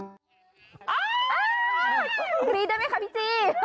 คิมิมิสได้ไหมค่ะพี่จี้